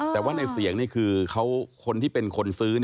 แต่ว่าในเสียงนี่คือคนที่เป็นคนซื้อ